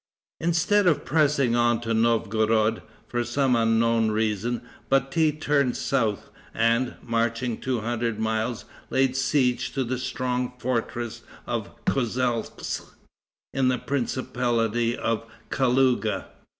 Instead of pressing on to Novgorod, for some unknown reason Bati turned south, and, marching two hundred miles, laid siege to the strong fortress of Kozelsk, in the principality of Kalouga.